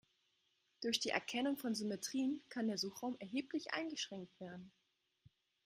Durch die Erkennung von Symmetrien kann der Suchraum erheblich eingeschränkt werden.